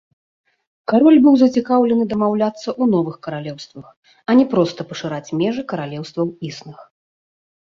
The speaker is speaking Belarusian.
Кароль быў зацікаўлены дамаўляцца ў новых каралеўствах, а не проста пашыраць межы каралеўстваў існых.